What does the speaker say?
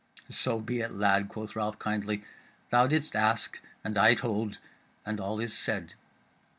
"So be it, lad," quoth Ralph kindly, "thou didst ask and I told, and all is said."